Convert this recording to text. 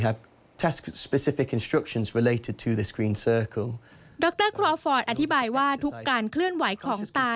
รครอฟอร์ดอธิบายว่าทุกการเคลื่อนไหวของตา